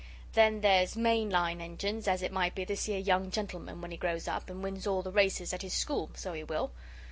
Then there's main line engines as it might be this 'ere young gentleman when he grows up and wins all the races at 'is school so he will.